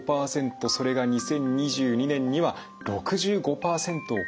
それが２０２２年には６５％を超えています。